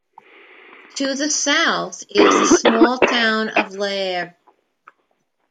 To the south is the small town of Lairg.